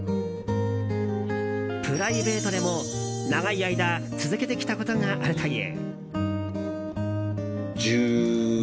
プライベートでも長い間続けてきたことがあるという。